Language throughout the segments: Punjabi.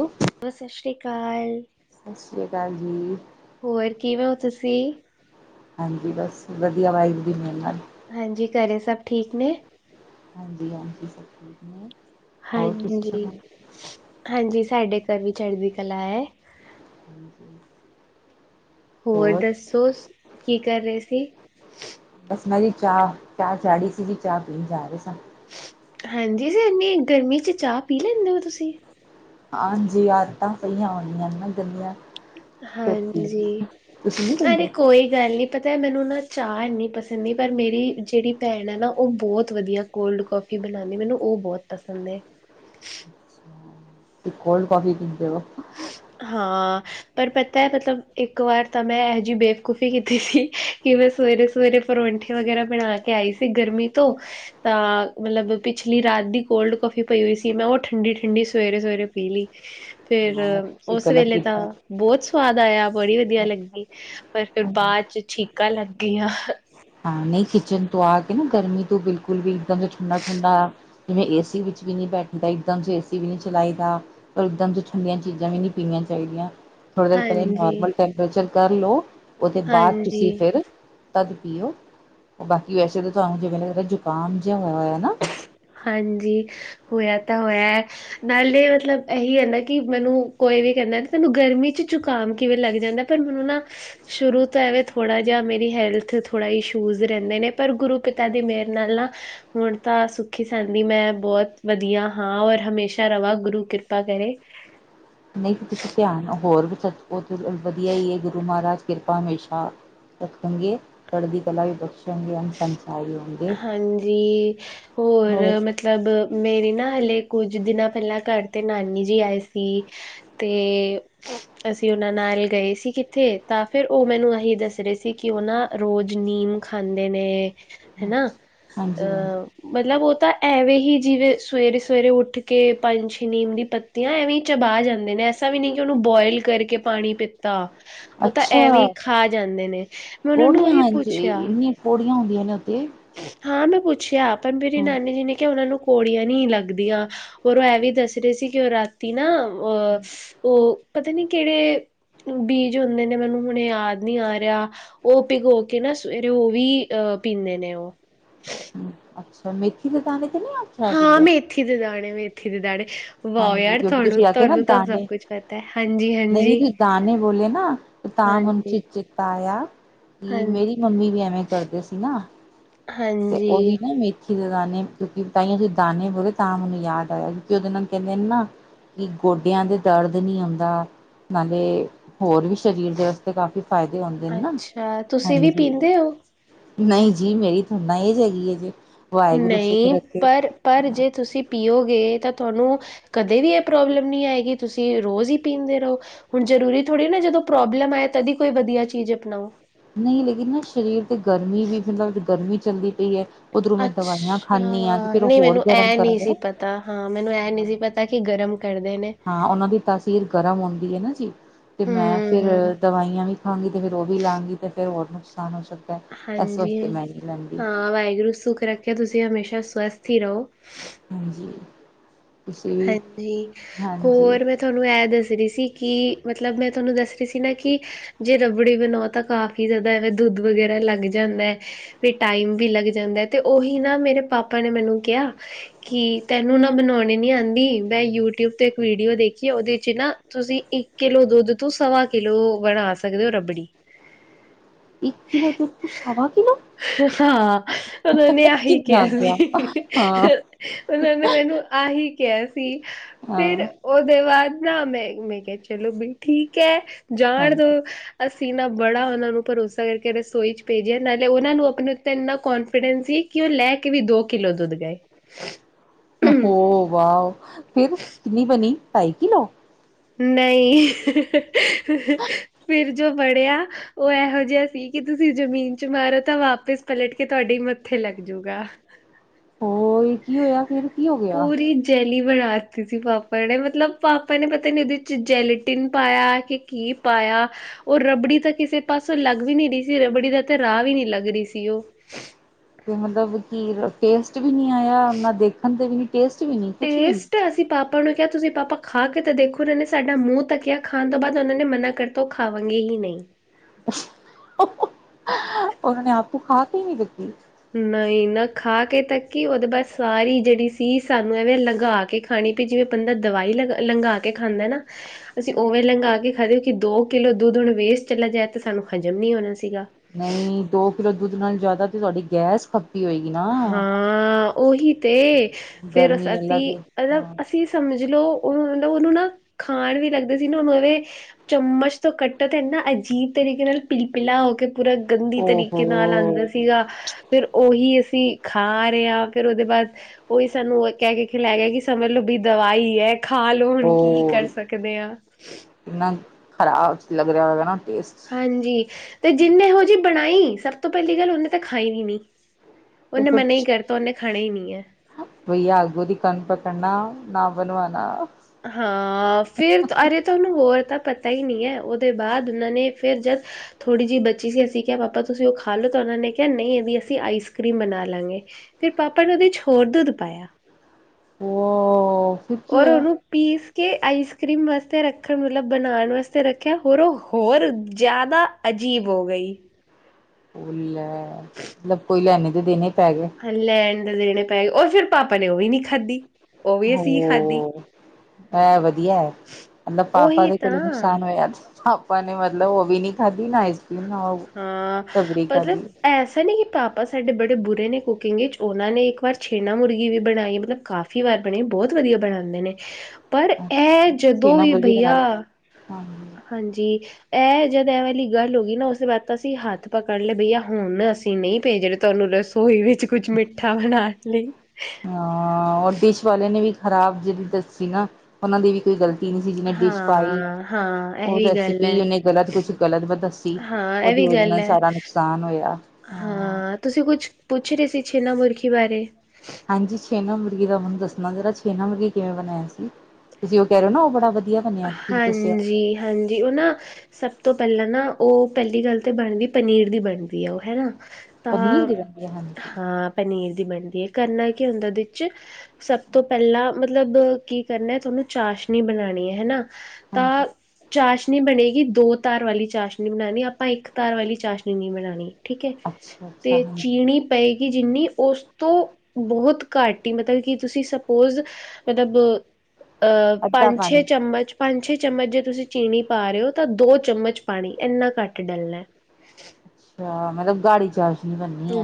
ਹੈਲੋ। [inaudible] ਸਸ਼੍ਰੀਕਾਲ। ਸਾਸਰੀਆਕਾਲ ਜੀ। ਹੋਰ ਕਿਵੇਂ ਓ ਤੁਸੀਂ? ਹਾਂਜੀ, ਬਸ ਵਧੀਆ ਵਾਹਿਗੁਰੂ ਦੀ ਮੇਰ ਨਾਲ। ਹਾਂਜੀ, ਘਰੇ ਸਭ ਠੀਕ ਨੇ? ਹਾਂਜੀ ਹਾਂਜੀ, ਸਭ ਠੀਕ ਨੇ। ਹੋਰ ਤੁਸੀਂ ਹਾਂਜੀ ਸੁਣਾਓ ਹਾਂਜੀ, ਸਾਡੇ ਘਰ ਵੀ ਚੜ੍ਹਦੀ ਕਲਾ ਐ। ਬਿਲਕੁਲ ਹੋਰ ਦੱਸੋ ਸ, ਕੀ ਕਰ ਰੇ ਸੀ? ਬਸ ਮੈਂ ਜੀ ਚਾਹ ਚਾਹ ਚਾੜੀ ਸੀਗੀ, ਚਾਹ ਪੀਣ ਜਾ ਰੇ ਸਾਂ। ਹਾਂਜੀ ਜੀ ਏਨੀ ਗਰਮੀ ਚ ਚਾਹ ਪੀ ਲੈਂਨੇ ਓ ਤੁਸੀਂ? ਹਾਂਜੀ, ਆਦਤਾਂ ਪਈਆਂ ਹੋਈਆਂ ਨਾ ਗੰਦੀਆਂ। ਫਿਰ ਹਾਂਜੀ, ਪੀਣੀ ਤੁਸੀਂ ਨੀ ਅਰੇ ਪੀਂਦੇ ਕੋਈ ਗੱਲ ਨੀ ਪਤਾ ਐ ਮੈਨੂੰ ਨਾ ਚਾਹ ਏਨੀ ਪਸੰਦ ਨੀ, ਪਰ ਮੇਰੀ ਜੇੜੀ ਭੈਣ ਏ ਨਾ, ਓ ਬੌਤ ਵਧੀਆ ਕੋਲਡ ਕੌਫੀ ਬਣਾਂਦੀ ਮੈਨੂੰ ਓ ਬੌਤ ਪਸੰਦ ਐ। ਤੁ ਕੋਲਡ ਕੌਫੀ ਪੀਂਦੇ ਓ। ਹਾਂ। ਪਰ ਪਤਾ ਐ ਮਤਲ ਏਕ ਵਾਰ ਤਾਂ ਮੈਂ ਇਹੋ ਜੀ ਬੇਵਕੂਫੀ ਕੀਤੀ ਸੀ, ਕਿ ਮੈਂ ਸਵੇਰੇ ਸਵੇਰੇ ਪਰੋਂਠੇ ਵਗੈਰਾ ਬਣਾ ਕੇ ਆਈ ਸੀ ਗਰਮੀ ਤੋਂ ਤਾਂ ਮਲਬ ਪਿਛਲੀ ਰਾਤ ਦੀ ਕੋਲਡ ਕੌਫੀ ਪਈ ਹੋਈ ਸੀ, ਮੈਂ ਓ ਠੰਡੀ, ਠੰਡੀ ਸਵੇਰੇ, ਸਵੇਰੇ ਪੀ ਲੀ। ਫੇਰ ਹਾਂ ਤੁਸੀਂ ਓਸ ਗਲਤ ਵੇਲੇ ਤਾਂ ਬੌਤ ਸਵਾਦ ਆਇਆ, ਬੜੀ ਵਧੀਆ ਕੀਤਾ ਲੱਗੀ। ਪਰ ਫਿਰ ਬਾਅਦ 'ਚ ਛੀਕਾਂ ਲੱਗ ਗਈਆਂ। ਹਾਂ, ਨਈ ਕਿਚਨ ਤੋਂ ਆ ਕੇ ਨਾ ਗਰਮੀ ਤੋਂ ਬਿਲਕੁਲ ਵੀ ਏਕਦਮ ਠੰਡਾ ਠੰਡਾ ਜਿਵੇਂ ਏ ਸੀ ਵਿੱਚ ਵੀ ਨਈ ਬੈਠੀ ਦਾ, ਇੱਕਦਮ ਜੇ ਏ ਸੀ ਵੀ ਨੀ ਚਲਾਈ ਦਾ। ਪਰ ਇਕਦਮ ਜੇ ਠੰਡੀਆਂ ਚੀਜ਼ਾਂ ਵੀ ਨੀ ਪੀਣੀਆਂ ਚਾਈਦੀਆਂ। ਥੋੜੀ ਦੇਰ ਪੈਲੇ ਹਾਂਜੀ ਨੋਰਮਲ ਟੈਂਪਰੇਚਰ ਕਰ ਲੋ ਓਦੇ ਬਾਅਦ ਤੁਸੀ ਹਾਂਜੀ ਫਿਰ ਤਦ ਪੀਓ, ਬਾਕੀ ਵੈਸੇ ਤੇ ਤੁਆਨੂੰ ਜਿਵੇ ਲਗਦਾ ਨਾ ਜ਼ੁਕਾਮ ਜੇਆ ਹੋਇਆ ਹੋਇਆ ਨਾ। ਹਾਂਜੀ, ਹੋਇਆ ਤਾ ਹੋਇਆ। ਨਾਲੇ ਮਤਲਬ ਇਹੀ ਆ ਨਾ ਕਿ ਮੈਨੂੰ ਕੋਈ ਵੀ ਕੈਂਦਾ ਕਿ ਤੇਨੂੰ ਗਰਮੀ ਚ ਜ਼ੁਕਾਮ ਕਿਵੇਂ ਲੱਗ ਜਾਂਦੈ। ਪਰ ਮੇਨੂੰ ਨਾ ਸ਼ੁਰੂ ਤੋਂ ਐਵੇਂ ਥੋੜ੍ਹਾ ਜੇਆ ਮੇਰੀ ਹੈਲਥ ਥੋੜ੍ਹਾ ਇਸ਼ੂਜ਼ ਰੈਂਦੇ ਨੇ, ਪਰ ਗੁਰੂ ਪਿਤਾ ਦੀ ਮੇਰ ਨਾਲ ਨਾ ਹੁਣ ਤਾਂ ਸੁ ਖੀ ਸਾਂਦੀ ਮੈਂ ਬੌਅਤ ਵਧੀਆ ਹਾਂ, ਔਰ ਹਮੇਸ਼ਾ ਰਵਾਂ ਗੁਰੂ ਕਿਰਪਾ ਕਰੇ। ਨਈ ਤੁਸੀ ਧਿਆਨ ਹੋਰ ਵੀ ਓ ਤੇ ਫਿਰ ਵਧੀਆ ਈ ਏ, ਗੁਰੂ ਮਹਾਰਾਜ ਕਿਰਪਾ ਹਮੇਸ਼ਾ ਰੱਖਣਗੇ, ਚੜਦੀ ਕਲਾ ਵੀ ਬਖਸ਼ ਹਾਂਜੀ, ਹੋਰ ਮਤਲ ਮਤਲਬ ਮੇਰੀ ਨਾ ਹਲੇ ਕੁਝ ਦਿਨਾਂ ਪੈਲਾਂ ਘਰ ਤੇ ਨਾਨੀ ਜੀ ਆਏ ਸੀ। ਤੇ ਅਸੀ ਓਨਾ ਨਾਲ ਗਏ ਸੀ ਕਿਥੇ, ਤਾਂ ਫੇਰ ਓ ਮੈਨੂੰ ਅਹੀ ਦੱਸ ਰੇ ਸੀ ਕਿ ਓ ਨਾ ਰੋਜ਼ ਨੀਮ ਖਾਂਦੇ ਨੇ, ਹਨਾ ਹਾਂਜੀ ਹਾਂਜੀ ਅਹ ਮਤਲਬ ਉਹ ਤਾਂ ਐਵੇਂ ਹੀ ਜਿਵੇ ਸਵੇਰੇ ਸਵੇਰੇ ਉੱਠ ਕੇ ਪੰਛ ਨੀਮ ਦੀ ਪਤੀ ਆਂ ਐਵੇਂ ਹੀ ਚਬਾਹ ਜਾਂਦੇ ਨੇ ਐਸਾ ਵੀ ਨਹੀਂ ਕਿ ਉਹਨੂੰ ਬੋਇਲ ਕਰਕੇ ਪਾਣੀ ਪੀਤਾ। ਉਹ ਤਾਂ ਅੱਛਾ ਐਵੇਂ ਖਾ ਜਾਂਦੇ ਨੇ, ਮੈਂ ਉਹਨਾਂ ਨੂੰ ਪੌੜੀਆਂ ਉਹੀ ਹਾਂਜੀ ਪੁੱਛਿਆ। ਇੰਨੀਆਂ ਪੌੜੀਆਂ ਹੁੰਦੀਆਂ ਨੇ ਅੱਗੇ। ਹਾਂ ਮੈਂ ਪੁੱਛਿਆ, ਪਰ ਮੇਰੀ ਨਾਨੀ ਜੀ ਨੇ ਕਿਹਾ ਉਹਨਾਂ ਨੂੰ ਪੌੜੀਆਂ ਨਹੀ ਲੱਗਦੀਆਂ ਔਰ ਉਹ ਇਹ ਵੀ ਦੱਸ ਰਹੇ ਸੀ ਕਿ ਉਹ ਰਾਤੀ ਨਾ ਅਹ, ਉਹ ਪਤਾ ਨੀ ਕਿਹੜੇ ਬੀਜ ਹੁੰਦੇ ਨੇ ਮੈਨੂੰ ਹੁਣ ਯਾਦ ਨਹੀ ਆ ਰਿਹਾ। ਓਹ ਪੀਗੋ ਕੇ ਨਾ ਸਵੇਰੇ ਉਹ ਵੀ ਅਹ ਪਿੰਦੇ ਨੇ ਉਹ। ਹੂੰ, ਅੱਛਾ ਮੇਥੀ ਦੇ ਦਾਣੇ ਤੇ ਨੀ ਹੇ? ਹਾਂ ਮੈਥੀ ਦੇ ਦਾਣੇ, ਮੈਥੀ ਦੇ ਦਾਣੇ ਵਾਹ ਹਾਂਜੀ ਯਾਰ ਕਿਉਂਕਿ ਤੁਹਾਨੂੰ ਤੁਸੀਂ ਆਖੇ ਨਾ ਤੁਹਾਨੂੰ ਤਾਂ ਸਭ ਦਾਣੇ, ਕੁੱਛ ਪਤਾ ਹੈ ਹਾਂਜੀ ਹਾਂਜੀ ਨਹੀਂ ਦਾਣੇ ਬੋਲੇ ਨਾ ਤਾਂ ਮੈਨੂੰ ਹਾਂਜੀ ਚਿਤ ਚੇਤਾ ਆਇਆ ਕਿ, ਮੇਰੀ ਹਾਂਜੀ ਮੰਮੀ ਵੀ ਐਵੇਂ ਕਰਦੇ ਸੀ ਨਾ ਤੇ ਓਹ ਹਾਂਜੀ ਨਾ ਮੈਥੀ ਦੇ ਦਾਣੇ ਕਿਉਂਕਿ ਤਾਈ ਅਸੀਂ ਦਾਣੇੇ ਬੋਲੇ ਤਾਂ ਮੈਨੂੰ ਯਾਦ ਆਇਆ ਕਿਉਂਕਿ ਉਹਦੇ ਨਾਲ ਨੂੰ ਕਹਿੰਦੇ ਨਾ ਕਿ ਗੋਡਿਆਂ ਦੇ ਦਰਦ ਨਹੀਂ ਹੁੰਦਾ, ਨਾਲੇ ਹੋਰ ਵੀ ਸ਼ਰੀਰ ਦੇ ਵਾਸਤੇ ਕਾਫੀ ਫਾਇਦੇ ਹੁੰਦੇ ਨੇ ਨਾ ਅੱਛਾ ਤੁਸੀਂ ਵੀ ਹਾਂਜੀ ਪੀਂਦੇ ਹੋ ਨਹੀਂ ਜੀ, ਮੇਰੀ ਫਰਮਾਇਸ਼ ਹੈਗੀ ਹੈ ਜੇ। ਵਾਹਿਗੁਰੂ ਸੁੱਖ ਨਹੀ, ਰੱਖੇ। ਪਰ ਪਰ ਜੇ ਤੁਸੀਂ ਪੀਓਗੇ ਤਾਂ ਤੁਹਾਨੂੰ ਕਦੇ ਵੀ ਇਹ ਪ੍ਰੋਬਲਮ ਨਹੀ ਆਏਗੀ ਤੁਸੀਂ ਰੋਜ਼ ਈ ਪੀਂਦੇ ਰਹੋ। ਹੁਣ ਜਰੂਰੀ ਥੋੜੀ ਨਾ ਜਦੋਂ ਪ੍ਰੋਬਲਮ ਆਏ ਤਦੀ ਕੋਈ ਵਧੀਆ ਚੀਜ਼ ਅਪਣਾਓ। ਨਹੀ ਲੇਕਿਨ ਨਾ, ਸ਼ਰੀਰ ਤੇ ਗਰਮੀ ਵੀ ਫਿਲਹਾਲ ਗਰਮੀ ਚੱਲਦੀ ਪਈ ਹੈ। ਉੱਧਰੋਂ ਮੈਂ ਦਵਾਈਆਂ ਅੱਛਾ, ਖਾਂਦੀ ਹਾਂ ਤੇ ਫੇਰ ਉਹ ਨਹੀਂ ਹੋਰ ਮੈਨੂੰ ਗਰਮ ਇਹ ਨਹੀਂ ਕਰਾਂਗੇ ਸੀ ਨਾ। ਪਤਾ, ਹਾਂ ਮੈਨੂੰ ਇਹ ਨਹੀਂ ਸੀ ਪਤਾ ਤਾਂ ਕਿ ਗਰਮ ਕਰਦੇ ਨੇ। ਹਾਂ, ਉਹਨਾਂ ਦੀ ਤਸ ਗਰਮ ਹੁੰਦੀ ਹੈ ਨਾ ਜੀ ਤੇ ਮੈਂ ਫਿਰ ਹਮ ਦਵਾਈਆਂ ਵੀ ਖਾਂਗੀ ਤੇ ਫਿਰ ਉਹ ਵੀ ਲਾਂਗੀ। ਤੇ ਫਿਰ ਹੋਰ ਨੁਕਸਾਨ ਹੋ ਸਕਦਾ ਇਸ ਹਾਂਜੀ, ਵਾਸਤੇ ਮੈਂ ਨਹੀਂ ਲੈਂਦੀ ਹਾਂ ਵਾਹਿਗੁਰੂ ਸੁੱਖ ਰੱਖੇ ਤੁਸੀਂ ਹਮੇਸ਼ਾ ਸਵਸਥ ਹੀ ਰਹੋ। ਹਾਂਜੀ ਤੁਸੀਂ ਵੀ ਹਾਂਜੀ, ਹਾਂਜੀ। ਹੋਰ ਮੈਂ ਤੁਹਾਨੂੰ ਇਹ ਦੱਸ ਰਹੀ ਸੀ ਕਿ, ਮਤਲਬ ਮੈਂ ਤੁਹਾਨੂੰ ਦੱਸ ਰਹੀ ਸੀ ਨਾ ਕਿ ਜੇ ਰਬੜੀ ਬਣਾਓ ਤਾਂ ਕਾਫ਼ੀ ਜ਼ਿਆਦਾ ਐਵੇਂ ਦੁੱਧ ਵਗੈਰਾ ਲੱਗ ਜਾਂਦਾ ਹੈ। ਤੇ ਵੀ ਟਾਈਮ ਵੀ ਲੱਗ ਜਾਂਦਾ ਏ, ਤੇ ਉਹੀ ਨਾ ਮੇਰੇ ਪਾਪਾ ਨੇ ਮੈਨੂੰ ਕਿਹਾ ਕਿ ਤਿੰਨੋ ਨਾ ਬਣਾਉਣੇ ਆਂਦੀ ਮੈਂ ਯੂਟਿਊਬ ਤੇ ਇੱਕ ਵੀਡੀਓ ਦੇਖੀ ਉਹਦੇ ਚ ਨਾ ਤੁਸੀਂ ਇੱਕ ਕਿਲੋ ਦੁੱਧ ਤੂੰ ਸਵਾ ਕਿਲੋ ਬਣਾ ਸਕਦੇ ਹੋ ਰਬੜੀ? ਇੱਕ ਕੀ ਨਾ ਸਵਾ ਕਿਲੋ? ਹਾਂ, ਉਹਨਾਂ ਨੇ ਇਹ ਆਹੀ ਕਿਵੇਂ ਆ ਕਿਹਾ ਗਿਆ ਸੀ ਹਾਂ ਉਹਨਾਂ ਨੇ ਮੈਨੂੰ ਆਹੀ ਕਿਹਾ ਸੀ, ਫਿਰ ਹਾਂ ਉਹਦੇ ਬਾਅਦ ਨਾ ਮੈਂ, ਮੈਂ ਕਿਹਾ ਚਲੋ ਬੀ ਠੀਕ ਹੈ ਜਾਣ ਹਾਂਜੀ। ਦੋ। ਅਸੀਂ ਨਾ ਬੜਾ ਉਹਨਾਂ ਨੂੰ ਭਰੋਸਾ ਕਰਕੇ ਰਸੋਈ 'ਚ ਭੇਜਿਆ ਨਾਲੇ ਉਹਨਾਂ ਨੂੰ ਆਪਣੇ ਉੱਤੇ ਇੰਨਾ ਕੋਂਨਫੀਡੈਂਸ ਸੀ। ਕਿ ਉਹ ਲੈ ਕੇ ਵੀ ਦੋ ਕਿੱਲੋ ਦੁੱਧ ਗਏ ਉਹ ਵਾਓ ਫਿਰ ਨਹੀਂ ਬਣੀ ਤਾਈ ਦੀ ਨੌ। ਨਹੀਂ, ਫਿਰ। ਜੋ ਬੜਿਆ ਉਹ ਇਹੋ ਜਿਹਾ ਸੀ ਕਿ ਤੁਸੀਂ ਜ਼ਮੀਨ ਚ ਮਾਰੋ ਤਾਂ ਵਾਪਿਸ ਪਲਟ ਕੇ ਤੁਹਾਡੀ ਕਿੱਥੇ ਲੱਗ ਜੂਗਾ। ਹੋਰ ਕੀ ਹੋਇਆ, ਫਿਰ ਕੀ ਹੋ ਗਿਆ। ਜੈਲੀ ਬਣਾ ਦਿੱਤੀ ਸੀ ਪਾਪਾ ਨੇ ਮਤਲਬ ਪਾਪਾ ਨੇ ਪਤਾ ਨੀ ਉਹਦੇ ਚ ਜੈਲੀਟਿਨ ਪਾਇਆ ਕਿ ਕੀ ਪਾਇਆ। ਉਹ ਰਬੜੀ ਤਾਂ ਕਿਸੇ ਪਾਸੋਂ ਲੱਗ ਵੀ ਨਹੀ ਰਹੀ ਸੀ ਰਬੜੀ ਦਾ ਤਾਂ ਰਾਹ ਵੀ ਨੀ ਲੱਗ ਰਹੀ ਸੀ ਉਹ। ਤੇ ਮਤਲਬ ਕੀ ਟੇਸਟ ਵੀ ਨੀ ਆਇਆ ਨਾ ਦੇਖਣ ਤੇ ਵੀ ਨੀ ਟੇਸਟ ਵੀ ਨੀ ਕੁਛ ਵੀ ਨੀ ਟੇਸਟ ਅਸੀਂ ਪਾ ਉਹਨ ਨੂੰ ਕਿਹਾ ਤੁਸੀਂ ਪਾਪਾ ਖਾ ਕੇ ਤਾਂ ਦੇਖੋ ਉਹਨਾਂ ਨੇ ਸਾਡਾ ਮੂੰਹ ਤੱਕਿਆ ਖਾਣ ਤੋਂ ਬਾਦ ਉਹਨਾਂ ਨੇ ਮਨਾ ਕਰਤਾ ਉਹ ਖਾਵਾਂਗੇ ਹੀ ਨਹੀਂ‌। ਉਹ ਨੇ ਆਪ ਖਾ ਕੇ ਨਹੀ ਦੇਖੀ। ਨਈ ਨਾ ਖਾ ਕੇ ਤੱਕੀ ਉਹਦੇ ਬਾਦ ਸਾਰੀ ਜਿਹੜੀ ਸੀ ਸਾਨੂੰ ਐਵੇਂ ਲੰਘਾ ਕੇ ਖਾਣੀ ਪਈ ਜਿਵੇਂ ਬੰਦਾ ਦਵਾਈ ਲ, ਲੰਘਾ ਕੇ ਖਾਂਦਾ ਨਾ। ਤੁਸੀਂ ਓਵੇ ਲੰਘਾ ਕੇ ਖਾਦੇਓ ਕਿ ਦੋ ਕਿਲੋ ਦੁੱਧ ਹੁਣ ਵੇਸਟ ਚਲਾ ਜਾਏ ਤਾਂ ਸਾਨੂੰ ਹਜ਼ਮ ਨੀ ਹੋਣਾ ਸੀਗਾ। ਨਹੀਂ ਦੋ ਕਿਲੋ ਦੁੱਧ ਨਾਲ ਜਾਦਾ ਤੇ ਤੁਹਾਡੀ ਗੈਸ ਖੱਪੀ ਹੋਈ। ਹਾਂ ਉਹੀ ਤੇ ਫੇਰ ਗਰਮੀ ਅ ਅਲੱਗ ਅਸੀਂ ਮਤਲਬ ਹਾਂ ਅਸੀਂ ਸਮਝ ਲੋ ਉਹ ਮਤਲਬ ਉਹਨੂੰ ਨਾ ਖਾਣ ਵੀ ਲੱਗਦੇ ਸੀ ਨਾ ਉਹਨੂੰ ਇਹਵੇ ਚਮਚ ਤੋਂ ਕੱਟੋ ਤੇ ਇੰਨਾ ਅਜੀਬ ਤਰੀਕੇ ਨਾਲ ਪਿਲਪੀਲਾ ਹੋ ਕੇ ਪੂਰਾ ਗੰਦੀ ਤਰੀਕੇ ਨਾਲ ਓਹੋ ਆਉਂਦਾ ਸੀਗਾ ਫਿਰ ਉਹੀ ਅਸੀਂ ਖਾ ਰਹੇ ਆ ਫਿਰ ਉਹਦੇ ਬਾਦ ਉਹੀ ਸਾਨੂੰ ਕਹਿ ਕੇ ਖਿਲਾਏ ਗਾ ਕਿ ਸਮਝ ਲੋ ਬੀ ਦਵਾਈ ਹੈ। ਖਾ ਲੋ ਹੁਣ ਕੀ ਕਰ ਸਕਦੇ ਆ। ਇੰਨਾ ਖ਼ਰਾਬ ਲੱਗਦਾ ਹੋਏਗਾ ਨਾ ਟੇਸਟ। ਹਾਂਜੀ ਤੇ ਜਿੰਨੇ ਹੋ ਜਿ ਬਣਾਈ ਸਭ ਤੋਂ ਪਹਿਲੀ ਗੱਲ ਉਹਨੇ ਤਾਂ ਖਾਈ ਵੀ ਨੀ। ਤੇ ਉਹਨੇ ਫਿਰ ਮਨਾ ਹੀ ਕਰਤਾ ਉਹਨੇ ਖਾਣਾ ਹੀ ਨਈ ਹੈ। ਭਈਆ ਅੱਗੋ ਦੀ ਕਨ ਪਕੜਨਾ ਨਾ ਬਣਵਾਣਾ। ਹਾਂ। ਫਿਰ ਅਰੇ ਤੁਹਾਨੂੰ ਹੋਰ ਤਾਂ ਪਤਾ ਹੀ ਨਈ ਹੈ ਉਹਦੇ ਬਾਦ ਉਹਨਾਂ ਨੇ ਫਿਰ ਜਦ ਥੋੜ੍ਹੀ ਜਿਹੀ ਬੱਚੀ ਸੀ ਅਸੀਂ ਕਿਹਾ ਪਾਪਾ ਤੁਸੀਂ ਉਹ ਖਾ ਲੋ ਤਾਂ ਉਹਨਾਂ ਨੇ ਕਿਹਾ ਨਹੀਂ ਇਹਦੀ ਅਸੀਂ ਆਈਸ ਕਰੀਮ ਬਣਾ ਲਾਂਗੇ। ਫਿਰ ਪਾਪਾ ਨੇ ਉਹਦੇ ਚ ਹੋਰ ਦੁੱਧ ਪਾਇਆ। ਉਹ। ਫਿਰ ਕੀ ਔਰ ਹੋਇਆ ਉਹਨੂੰ ਪੀਸ ਕੇ ਆਈਸ ਕਰ੍ਰੀਮ ਵਾਸਤੇ ਰੱਖਣ ਵਾਲਾ ਬਣਾਉਣ ਵਾਸਤੇ ਰੱਖਿਆ ਹੋਰ ਉਹ ਹੋਰ ਜਾਦਾ- ਅਜੀਬ ਹੋ ਗਈ। ਉਹ ਲੈ ਮਤਲਬ ਕੋਈ ਲੈਨੇ ਦੇ ਦੇਣੇ ਪੈ ਗਏ। ਲੈਣ ਦੇ ਦੇਣੇ ਪੈ ਗਏ ਉਹ ਫੇਰ ਪਾਪਾ ਨੇ ਉਹ ਵੀ ਨੀ ਖਾਧੀ। ਉਹ ਵੀ ਅਸੀਂ ਹੀ ਖਾਧੀ, [unintelligible] ਹੈ ਵਧੀਆ ਹੈ ਮਤਲਬ ਪਾਪਾ ਉਹੀ ਦੇ ਕੋਲੋਂ ਤਾਂ। ਨੁਕਸਾਨ ਹੋਇਆ। ਪਾਪਾ ਨੇ ਮਤਲਬ ਉਹ ਵੀ ਨੀ ਖਾਧੀ ਨਾ ਆਈਸ ਹਾਂ ਮਤਲਬ ਐਸਾ ਨਈ ਕਿ ਪਾਪਾ ਪਾ ਸਾਡੇ ਬੜੇ ਬੁਰੇ ਨੇ ਕੁਕਿੰਗ ਵਿੱਚ ਉਹਨਾਂ ਨੇ ਇੱਕ ਵਾਰ ਛੇਣਾ ਮੁਰਗੀ ਵੀ ਬਣਾਈ ਮਤਲਬ ਕਾਫੀ ਕਾਫ਼ੀ ਵਾਰ ਬਣੇ ਬਹੁਤ ਵਧੀਆ ਬਣਾਉਂਦੇ ਨੇ ਪਰ ਇਹ ਜਦੋਂ ਵੀ ਭਈਆ ਹਾਂ। ਹਾਂਜੀ ਇਹ ਜਦ ਐ ਵਾਲੀ ਗੱਲ ਹੋ ਗਈ ਨਾ ਉਸਦੇ ਬਾਅਦ ਤਾਂ ਅਸੀਂ ਹੱਥ ਪਕੜ ਲਏ ਬਈਆ ਹੁਣ ਅਸੀਂ ਨਈ ਭੇਜਰੇ ਤੁਹਾਨੂੰ ਰਸੋਈ ਵਿੱਚ ਕੁੱਝ ਮਿੱਠਾ ਬਣਾਉਣ ਲਈ। ਹਾਂ ਔਰ ਡਿਸ਼ ਵਾਲੇ ਨੇ ਵੀ ਖ਼ਰਾਬ ਜਿਹੜੀ ਦੱਸੀ ਨਾ ਉਹਨਾਂ ਦੀ ਵੀ ਕੋਈ ਗਲਤੀ ਨਹੀਂ ਸੀ ਜਿਹਨੇ ਡਿਸ਼ ਪਾਈ ਹਾਂ ਹਾਂ ਇਹ ਉਹ ਵੀ ਗੱਲ ਰੈਸਿਪੀ ਹੈ ਉਹਨੇ ਗ਼ਲਤ ਕੁਛ ਗਲਤ ਵ ਦੱਸ ਹਾਂ ਉਹਦੀ ਵਜਾ ਨਾਲ ਸਾਰਾ ਨੁਕਸਾਨ ਹੋਇਆ। ਹਾਂ ਹਂ, ਤੁਸੀਂ ਕੁਛ ਪੁੱਛ ਰਹੇ ਸੀ ਛੇਨਾ ਮੁਰਖੀ ਬਾਰੇ ਹਾਂਜੀ। ਛੇਨਾ ਮੁਰਗੀ ਦਾ ਮੈਨੂੰ ਦੱਸਣਾ ਜਰਾ ਛੇਨਾ ਮੁਰਗੀ ਕਿਵੇਂ ਬਣਾਇਆ ਸੀ। ਤੁਸੀਂ ਉਹ ਕਹਿ ਰਹੇ ਨਾ ਉਹ ਬੜਾ ਵਧੀਆ ਵਧੀਆ ਬੰਨਿਆ, ਤੁਸੀਂ ਦੱਸਿਆ। ਹਾਂਜੀ, ਹਾਂਜੀ, ਉਹ ਨਾ ਸਭ ਤੋਂ ਪਹਿਲਾਂ ਨਾ ਉਹ ਪਹਿਲੀ ਗੱਲ ਤੇ ਬਣਦੀ ਪਨੀਰ ਦੀ ਬਣਦੀ ਏ ਉਹ ਹਨਾਂ। ਪਨੀਰ ਦੀ ਬਣਾਦੀ ਏ, ਹਾਂਜੀ। ਪਨੀਰ ਦੀ ਬਣਦੀ ਐ। ਕਰਨਾ ਕੀ ਹੁੰਦਾ ਉਹਦੇ ਵਿੱਚ ਸਭ ਤੋਂ ਪਹਿਲਾਂ ਮਤਲਬ ਕੀ ਕਰਨਾ ਤੁਹਾਨੂੰ ਚਾਸ਼ਨੀ ਬਣਾਣੀ ਐ ਹੈਨਾਂ। ਹਾਂਜੀ ਤਾਂ ਚਾਸ਼ਨੀ ਬਣੇਗੀ ਦੋ ਧਾਰ ਵਾਲੀ ਚਾਸ਼ਨੀ ਬਣਾਣੀ ਆਪਾਂ ਇੱਕ ਧਾਰ ਵਾਲੀ ਚਾਸ਼ਨੀ ਨਈਂ ਬਣਾਣੀ। ਠੀਕ ਐ ਅੱਛਾ ਅੱਛਾ ਤੇ ਹਾਂਜੀ ਚੀਣੀ ਪਏਗੀ ਜਿੰਨੀ ਉਸ ਤੋਂ ਬੋਤ ਘੱਟ ਈ ਮਤਲਬ ਕਿ ਤੁਸੀਂ ਸਪੋਜ਼ ਮਤਲਬ, ਅਹ ਅੱਧਾ ਪੰਜ-ਛੇ ਪਾਣੀ ਚਮਚ ਪੰਜ-ਛੇ ਚਮਚ ਜੇ ਤੁਸੀਂ ਚੀਣੀ ਪਾ ਰਹੇ ਔ ਤਾਂ ਦੋ ਚਮਚ ਪਾਣੀ, ਇੰਨਾ ਘੱਟ ਡਲਣਾ। ਅੱਛਾ। ਮਤਲਬ ਗਾੜੀ ਚਾਛ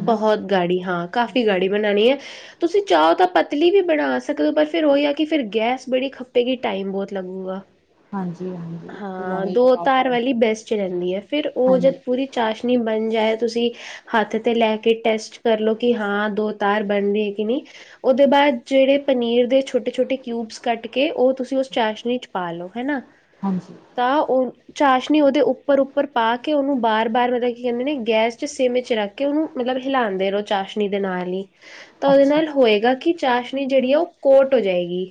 ਬਹੁਤ ਗਾੜੀ ਹਾਂ, ਕਾਫ਼ੀ ਗਾੜੀ ਬਣਾਣੀ ਐ, ਤੁਸੀਂ ਚਾਹੋ ਤਾਂ ਪਤਲੀ ਵੀ ਬਣਾ ਸਕਦੇ। ਪਰ ਫਿਰ ਉਹੀ ਆ ਕਿ ਫਿਰ ਗੈਸ ਬੜੀ ਖੱਪੇਗੀ ਟਾਈਮ ਬੋਤ ਲੱਗੂਗਾ। ਹਾਂਜੀ, ਹਾਂਜੀ। ਫਿਰ ਹਾਂ, ਉਵੇਂ ਹੀ ਦੋ ਬਣਾਓ ਤਾਰ ਪਾਣੀ ਵਾਲੀ ਬੈਸਟ ਈ ਰਹਿੰਦੀ ਐ। ਫਿਰ ਉਹ ਜਦ ਹਾਂਜੀ ਪੂਰੀ ਚਾਸ਼ਨੀ ਬਣ ਜਾਏ ਤੁਸੀਂ ਹੱਥ ਤੇ ਲੈ ਕੇ ਟੈਸਟ ਕਰਲੋ ਕਿ ਹਾਂ ਦੋ ਤਾਰ ਬਣਦੀ ਐ ਕਿ ਨ੍ਹੀਂ। ਉਹਦੇ ਬਾਅਦ ਜਿਹੜੇ ਪਨੀਰ ਦੇ ਛੋਟੇ-ਛੋਟੇ ਕਿਊਬਸ ਕੱਟ ਕੇ ਉਹ ਤੁਸੀਂ ਉਸ ਚਾਸ਼ਨੀ ਚ ਪਾ ਲਓ ਹਨਾਂ। ਹਾਂਜੀ। ਤਾਂ ਉਹ ਚਾਸ਼ਨੀ ਉਹਦੇ ਉੱਪਰ-ਉੱਪਰ ਪਾ ਕੇ ਉਹਨੂੰ ਬਾਰ-ਬਾਰ ਮਤਲਬ ਕੀ ਕਹਿੰਦੇ ਨੇ ਗੈਸ ਚ ਸੇਮਂ ਚ ਰੱਖ ਕਿ ਉਹਨੂੰ ਮਤਲਬ ਹਿਲਾਂਦੇ ਰੋ ਚਾਸ਼ਨੀ ਦੇ ਨਾਲ ਈ। ਤਾਂ ਉਹਦੇ ਅੱਛਾ ਨਾਲ ਹੋਏਗਾ ਕਿ ਚਾਸ਼ਨੀ ਜਿਹੜੀ ਆ ਉਹ ਕੋਟ ਹੋ ਜਾਏਗੀ।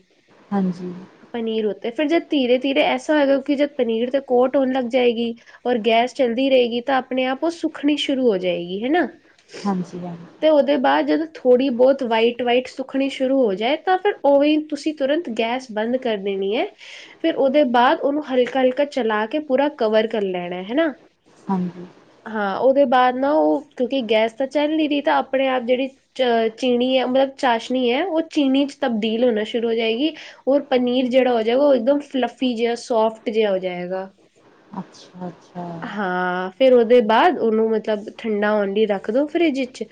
ਹਾਂਜੀ। ਪਨੀਰ ਉਤੇ ਫਿਰ ਜਦ ਧੀਰੇ-ਧੀਰੇ ਐਸਾ ਹੋਏਗਾ ਕਿ ਜਦ ਪਨੀਰ ਤੇ ਕੋਟ ਹੋਣ ਲੱਗ ਜਾਏਗੀ ਔਰ ਗੈਸ ਚੱਲਦੀ ਰਹੇਗੀ ਤਾਂ ਆਪਣੇ-ਆਪ ਉਹ ਸੁੱਖਣੀ ਸ਼ੁਰੂ ਹੋ ਜਾਏਗੀ। ਹਨਾਂ। ਹਾਂਜੀ, ਹਾਂ। ਤੇ ਉਹਦੇ ਬਾਅਦ ਜਦੋਂ ਥੋੜ੍ਹੀ ਬੋਤ ਵਾਈਟ-ਵਾਈਟ ਸੁੱਖਣੀ ਸ਼ੁਰੂ ਹੋ ਜਾਏ ਤਾਂ ਫਿਰ ਓਵੇਂ ਤੁਸੀਂ ਤੁਰੰਤ ਗੈਸ ਬੰਦ ਕਰ ਦੇਣੀ ਐ। ਫਿਰ ਉਹਦੇ ਬਾਅਦ ਉਹਨੂੰ ਹਲਕਾ-ਹਲਕਾ ਚਲਾ ਕੇ ਪੂਰਾ ਕਵਰ ਕਰ ਲੈਣਾ ਹਨਾਂ। ਹਾਂਜੀ। ਹਾਂ। ਉਹਦੇ ਬਾਅਦ ਨਾ ਉਹ ਕਿਉਂਕਿ ਗੈਸ ਤਾਂ ਚੱਲ ਨੀਂ ਰੀ ਤਾਂ ਆਪਣੇ-ਆਪ ਜਿਹੜੀ ਅ ਚੀਨੀ ਐ ਮਤਲਬ ਚਾਸ਼ਨੀ ਐ। ਉਹ ਚੀਨੀ ਚ ਤਬਦੀਲ ਹੋਣਾ ਸ਼ੁਰੂ ਹੋ ਜਾਏਗੀ। ਉਹ ਪਨੀਰ ਜਿਹੜਾ ਹੋ ਜਏਗਾ ਉਹ ਇੱਕਦਮ ਫਲੱਫੀ ਜਿਹਾ, ਸੋਫਟ ਜਿਹਾ ਹੋ ਜਾਏਗਾ। ਅੱਛਾ ਅੱਛਾ ਹਾਂ। ਫਿਰ ਉਹਦੇ ਬਾਅਦ ਉਹਨੂੰ ਮਤਲਬ ਠੰਡਾ ਆਉਣ ਲਈ ਰੱਖ ਦਿਉ ਫਰਿੱਜ ਇਚ।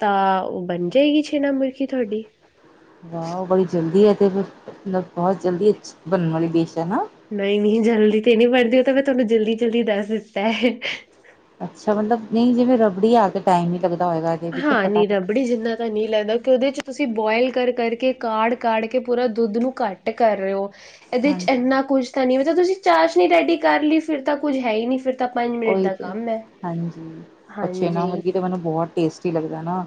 ਤਾਂ ਉਹ ਬਣ ਜਾਏਗੀ ਛੇਨਾ ਮੁਰਖੀ ਤੁਹਾਡੀ। ਹਾਂ। ਉਹ ਬੜੀ ਜਲਦੀ ਐ ਤੇ ਫੇਰ ਮਤਲਬ ਬਹੁਤ ਜਲਦੀ ਅਛੀ ਬਣਨ ਵਾਲੀ ਡਿਸ਼ ਐ ਨਾ। ਨਈਂ ਨਈਂ, ਜਲਦੀ ਤੇ ਨਈ ਬਣਦੀ ਉਹ ਤਾਂ ਮੈਂ ਤੁਹਾਨੂੰ ਜਲਦੀ-ਜਲਦੀ ਦੱਸ ਦਿੱਤਾ ਐ। ਅੱਛਾ। ਮਤਲਬ ਨਈ ਜਿਵੇਂ ਰਬੜੀ ਆ ਕੇ ਟਾਈਮ ਨੀਂ ਲੱਗਦਾ ਹੋਏਗਾ। ਇਹਦੇ ਵੀ ਤੇ ਹਾਂ। ਨੀ ਫਟਾਫਟ ਰਬੜੀ ਜਿੰਨਾ ਤ ਨੀ ਲਗਦਾ, ਕਿ ਉਹਦੇ 'ਚ ਤੁਸੀਂ ਬੋਇਲ ਕਰ ਕਰ ਕੇ ਕਾੜ-ਕਾੜ ਕੇ ਪੂਰਾ ਦੁੱਧ ਨੂੰ ਘੱਟ ਟ ਕਰ ਰੇ ਓ, ਇਹਦੇ 'ਚ ਹਾਂਜੀ ਏਨਾ ਕੁਝ ਤਾਂ ਨੀ ਮਤਲਬ, ਤੁਸੀਂ ਚਾਸ਼ਣੀ ਰੈਡੀ ਕਰ ਲੀ ਸ ਫਿਰ ਤਾਂ ਕੁੱਝ ਹੈ ਈ ਨੀ, ਫਿਰ ਤਾਂ ਪੰਜ ਮਿੰਟ ਉਹੀ ਦਾ ਤੇ ਕੰਮ ਐ, ਹਾਂਜੀ ਉਹ ਛੇਨਾ ਹਾਂਜੀ। ਮੁਰਗੀ ਤੇ ਮੈਨੂੰ ਬਹੁਤ ਟੇਸਟੀ ਲਗਦੈ ਨਾ।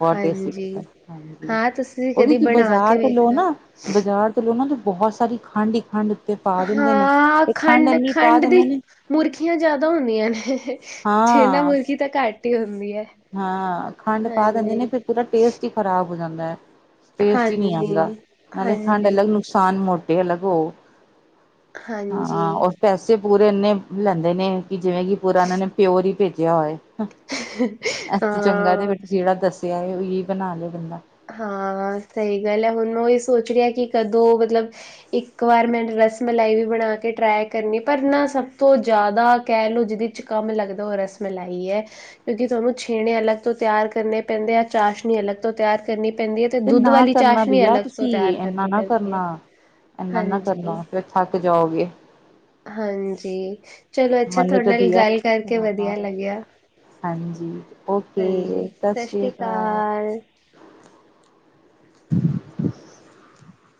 ਬਹੁਤ ਟੈਸਤੀ ਲਗਦਾ, ਹਾਂਜੀ। ਹਾਂ ਤੁਸੀਂ ਉਹ ਵੀ ਕਦੀ ਤੁਇ ਬਣਾ ਕੇ ਬਾਜ਼ਾਰ ਤੋਂ ਲੋਓ ਵੇਖਣਾ ਨਾ ਬਜ਼ਾਰ ਤੇ ਲੋ ਨਾ ਦੀ ਬਹੁਤ ਸਾਰੀ ਖੰਡ ਈ ਖੰਡ ਉੱਤੇ ਪਾ ਦਿੰਦੇ ਨੇ, ਹਾਂ ਤੇ ਖੰਡ ਏਨੀ ਪਾ ਖੰਡ-ਖੰਡ ਦੀ ਦਿੰਦੇ ਨੇ ਮੁਰਖੀਆਂ ਜਾਦਾ ਹੁੰਦੀਆਂ ਨੇ। ਛੇਨਾ ਹਾਂ ਮੁਰਖੀ ਤਾਂ ਘੱਟ ਈ ਹੁੰਦੀ ਐ, ਹਾਂਜੀ। ਓਦਾ ਟੇਸਟ ਈ ਖਰਾਬ ਹੋ ਜਾਂਦਾ ਐ, ਟੇਸਟ ਈ ਨੀ ਆਂਦਾ, ਹਾਂਜੀ, ਨਾਲੇ ਖੰਡ ਹਾਂਜੀ, ਅਲਗ ਨੁਕਸ ਸਾਨ ਮੋਟੇ ਅਲਗ ਹੋ, ਹਾਂ ਹਾਂਜੀ ਉਸ ਪੈਸੇ ਪੂਰੇ ਇੰਨੇ ਲੈਂਦੇ ਨੇ, ਕਿ ਜਿਵੇਂ ਕਿ ਪੂਰਾ ਏਨਾ ਨੇ ਪਿਓਰ ਈ ਭੇਜਿਆ ਹੋਏ। ਹ, ਐਸ ਤੋਂ ਚੰਗਾ ਤੇ ਹਾਂ। ਫੇਰ ਤੁਸੀ ਜੇੜਾ ਦਸਿਆ ਉਹੀ ਬਣਾ ਲੈ ਬੰਦਾ। ਹਾਂ ਸਈ ਗੱਲ ਐ, ਹੁਣ ਓਇ ਸੋਚ ਰੀ ਆ ਕਿ ਕਦੋ ਮਤਲਬ ਇਕ ਵਾਰ ਮੈਂ ਰਸ ਮਲਾਈ ਵੀ ਬਣਾ ਕੇ ਟ੍ਰੇਈ ਕਰਨੀ ਪਰ ਨਾ, ਸਭ ਤੋਂ ਜ਼ਿਆਦਾ ਕਹਿ ਲਓ ਜਿਦੀ 'ਚ ਕੰਮ ਲਗਦਾ, ਉਹ ਰਸਮਲਾਯੀ ਐ। ਕਿਉਂਕਿ ਥੋਨੂੰ ਛੇਣੇ ਅਲਗ ਤੋਂ ਤਿਆਰ ਕਰਨੇ ਪੈਂਦੇ ਐ, ਚਾਸ਼ਣੀ ਅਲਗ ਤੋਂ ਤਿਆਰ ਕਰਨੀ ਪੈਂਦੀ ਹੈ ਤੇ ਦੁੱਧ ਨਾ ਵਾਲੀ ਕਰਨਾ ਚਾਸ਼ਨੀ ਬਈਆ ਅਲੱਗ ਤੁਸੀ, ਤੋਂ ਤਿਆਰ ਏਨਾ ਕਰਨੀ ਨਾ ਪੈਂਦੀ ਹੈ ਕਰਨਾ, ਏਨਾ ਨਾ ਹਾਂਜੀ। ਕਰਨਾ, ਫੇਰ ਥੱਕ ਜਾਓਗੇ। ਹਾਂਜੀ, ਚਲੋ ਅੱਛਾ ਮੈਨੂੰ ਥੋਡੇ ਤੇ ਨਾਲ ਬਈਆ ਗੱਲ ਕਰਕੇ ਹਾਂ ਵਧੀਆ ਲਗਿਆ। ਹਾਂਜੀ, ਓਕੇ ਸਤਿ ਸਸ ਸ਼੍ਰੀ ਸ੍ਰੀਕਾਲ। ਅਕਾਲ। [inaudible]